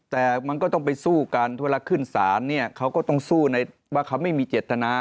แต่มันก็ต้องไปสู้กันเวลาขึ้นศาลเนี่ยเขาก็ต้องสู้ในว่าเขาไม่มีเจตนา